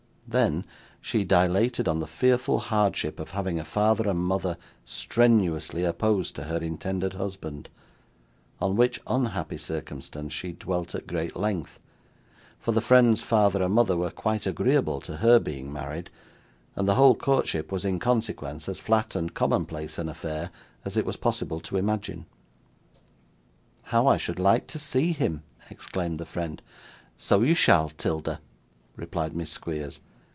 Then, she dilated on the fearful hardship of having a father and mother strenuously opposed to her intended husband; on which unhappy circumstance she dwelt at great length; for the friend's father and mother were quite agreeable to her being married, and the whole courtship was in consequence as flat and common place an affair as it was possible to imagine. 'How I should like to see him!' exclaimed the friend. 'So you shall, 'Tilda,' replied Miss Squeers.